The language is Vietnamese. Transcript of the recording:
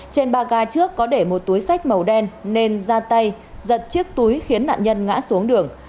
trên ba ga trước có để một túi sách màu đen nên ra tay giật chiếc túi khiến nạn nhân ngã xuống đường